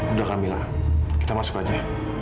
udah kamila kita masuk aja